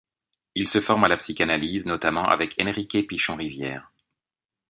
Il se forme à la psychanalyse, notamment avec Enrique Pichon Rivière.